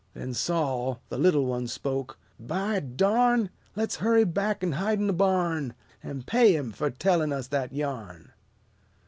Then Sol, the little one, spoke: "By darn! Le's hurry back an' hide'n the barn, An' pay him fur tellin' us that yarn!"